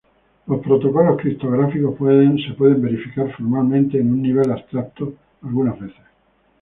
Los protocolos criptográficos pueden ser verificados formalmente en un nivel abstracto algunas veces.